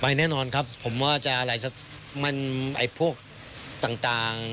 แน่นอนครับผมว่าจะอะไรมันไอ้พวกต่าง